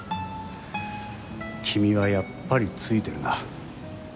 君はやっぱりツイてるな。